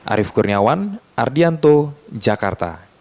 arief kurniawan ardianto jakarta